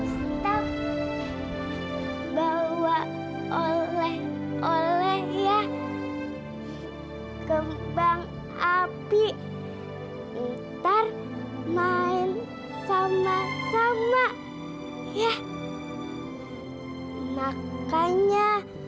sampai jumpa di video selanjutnya